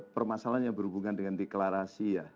permasalahan yang berhubungan dengan deklarasi ya